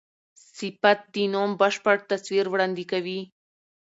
صفت د نوم بشپړ تصویر وړاندي کوي.